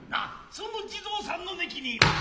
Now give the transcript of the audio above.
其の地蔵さんの根際に。